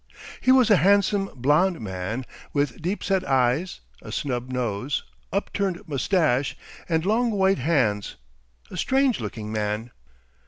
He was a handsome, blond man, with deep set eyes, a snub nose, upturned moustache, and long white hands, a strange looking man.